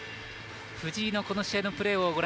藤井のこの試合のプレー。